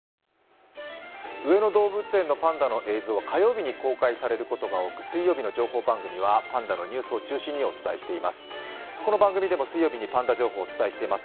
上野動物園のパンダの映像は火曜日に公開されることが多く水曜日の情報番組はパンダのニュースを中心にお伝えしています。